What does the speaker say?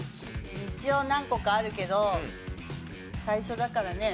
一応何個かあるけど最初だからね